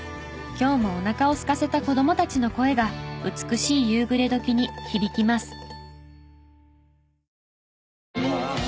今日もおなかをすかせた子供たちの声が美しい夕暮れ時に響きます。